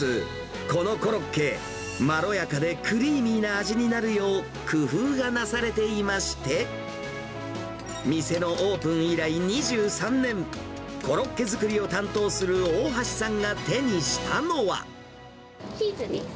このコロッケ、まろやかでクリーミーな味になるよう、工夫がなされていまして、店のオープン以来２３年、コロッケ作りを担当する大橋さんが手にしたのは。